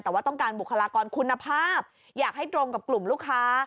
แต่ว่าต้องการบุคลากรคุณภาพอยากให้ตรงกับกลุ่มลูกค้า